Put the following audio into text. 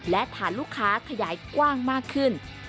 และฐานลูกค้าขยายกว้างมากขึ้น